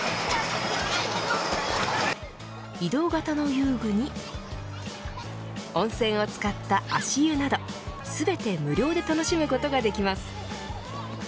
移動型の遊具に温泉を使った足湯など全て無料で楽しむことができます。